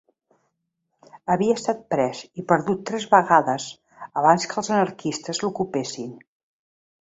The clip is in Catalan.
Havia estat pres i perdut tres vegades abans que els anarquistes l'ocupessin